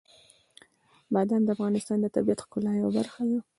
بادام د افغانستان د طبیعت د ښکلا یوه برخه ده.